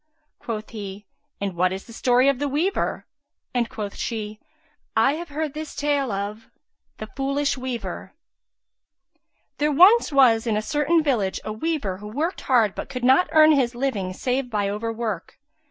Quoth he, "And what is the story of the weaver?"; and quoth she:—I have heard this take of The Foolish Weaver There was once in a certain village a weaver who worked hard but could not earn his living save by overwork.